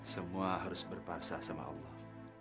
semua harus berparsa sama allah